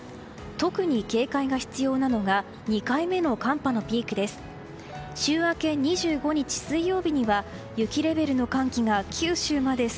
特に警戒が必要なのが２回目の寒波のピークです。